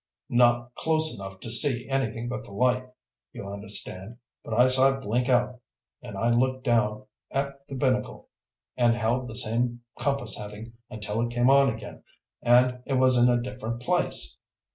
Not close enough to see anything but the light, you understand. But I saw it blink out, and I looked down at the binnacle and held the same compass heading until it came on again, and it was in a different place.